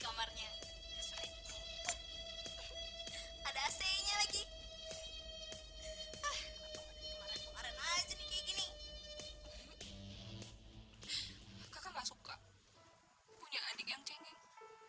kakak gak suka punya adik yang cengeng